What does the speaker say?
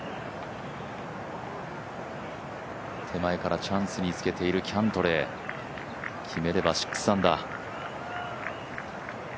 手前からチャンスにつけているキャントレー、決めれば６アンダー。